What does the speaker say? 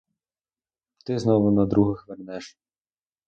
Ти знову на других вернеш.